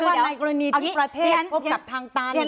ก็แก้ไว้ว่าในกรณีที่ประเทศพบสัตว์ตามอีก